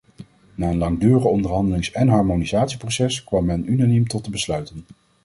Na een langdurig onderhandelings- en harmonisatieproces kwam men unaniem tot de besluiten.